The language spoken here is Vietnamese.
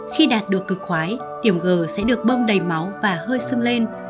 khi đạt được cực quái điểm g sẽ được bông đầy máu và hơi xương lên